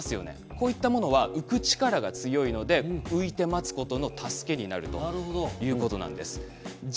こういったものは浮く力が強いので浮いて待つことの助けになるということなんです。